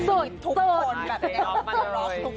ต้องรอดูเพราะว่าฟาชั่นเซ็ตของวงนี้คือทุกคน